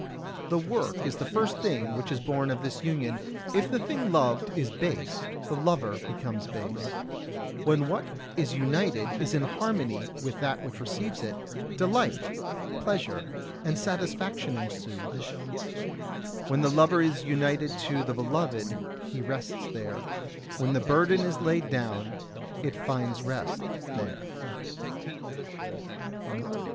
The work is the first thing which is born of this union; if the thing loved is base, the lover becomes base. When what is united is in harmony with that which receives it, delight, pleasure and satisfaction ensue. When the lover is united to the beloved he rests there; when the burden is laid down it finds rest there.